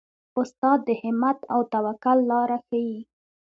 استاد د همت او توکل لاره ښيي.